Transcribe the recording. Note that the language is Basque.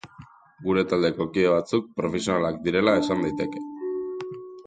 Gure taldeko kide batzuk profesionalak direla esan daiteke.